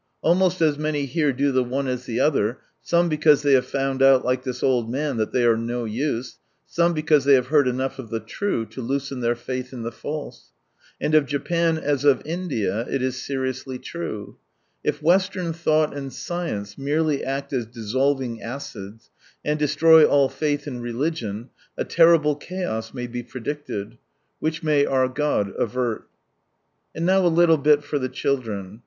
Almost as many here do the one as the other, some because they have found out like this old man that " they are no use ;" some because they have heard enough of the true to loosen their faith in the false ; and of Japan, as of India, it is seriously true —" If Western thought and science merely act as dissolving acids, and destroy all faith in religion, a terrible chaos may be predicted "— which may our God avert ! And now a little bit for the children.